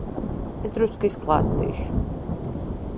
Es drusku izklāstīšu.